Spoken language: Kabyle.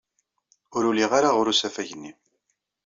Ur uliɣ ara ɣer usafag-nni.